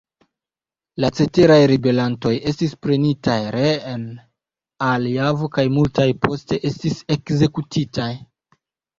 La ceteraj ribelantoj estis prenitaj reen al Javo kaj multaj poste estis ekzekutitaj.